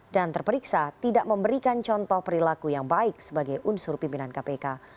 dan terperiksa tidak memberikan contoh perilaku yang baik sebagai unsur pimpinan kpk